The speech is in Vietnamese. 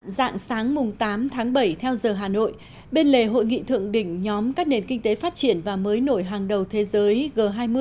dạng sáng tám tháng bảy theo giờ hà nội bên lề hội nghị thượng đỉnh nhóm các nền kinh tế phát triển và mới nổi hàng đầu thế giới g hai mươi